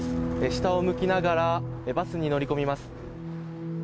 下を向きながらバスに乗り込みます。